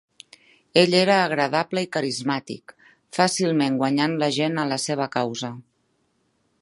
Ell era agradable i carismàtic, fàcilment guanyant la gent a la seva causa.